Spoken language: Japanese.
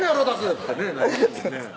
っつってねなりますもんね